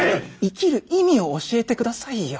生きる意味を教えてくださいよ。